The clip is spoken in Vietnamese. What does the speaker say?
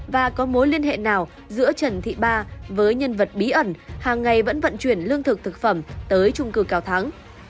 và có mối liên hệ nào giữa trần thị ba với nhân vật bí ẩn hàng ngày vẫn vận chuyển lương thực thực phẩm tới trung cư cao thắng